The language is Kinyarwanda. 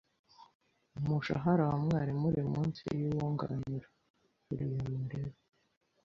Umushahara wa mwarimu uri munsi yuwunganira. (ulymarrero)